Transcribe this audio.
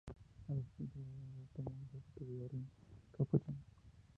A los quince años de edad tomó los hábitos de la Orden Capuchina.